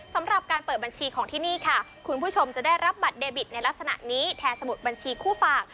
สำหรับการเปิดบัญชีของที่นี่ค่ะคุณผู้ชมจะได้รับบัตรเดบิตในลักษณะนี้แทนสมุดบัญชีคู่ฝาก